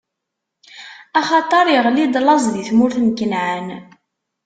Axaṭer iɣli-d laẓ di tmurt n Kanɛan.